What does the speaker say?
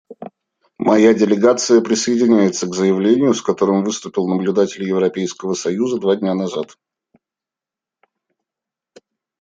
Моя делегация присоединяется к заявлению, с которым выступил наблюдатель Европейского союза два дня назад.